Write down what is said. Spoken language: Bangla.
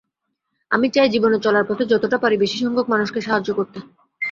আমি চাই, জীবনে চলার পথে যতটা পারি বেশিসংখ্যক মানুষকে সাহায্য করতে।